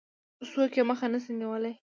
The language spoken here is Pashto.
څوک يې مخه نه شي نيولای.